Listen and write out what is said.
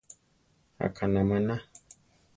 Aʼkaná maná.